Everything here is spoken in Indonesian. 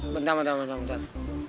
bentar bentar bentar